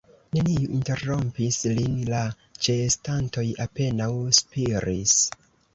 Neniu interrompis lin; la ĉeestantoj apenaŭ spiris.